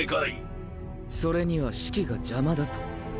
それにはシキが邪魔だと？